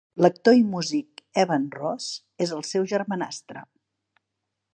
L'actor i músic Evan Ross és el seu germanastre.